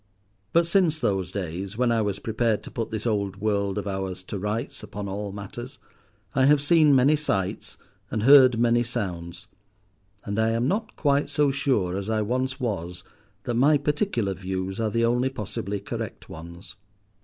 But since those days when I was prepared to put this old world of ours to rights upon all matters, I have seen many sights and heard many sounds, and I am not quite so sure as I once was that my particular views are the only possibly correct ones.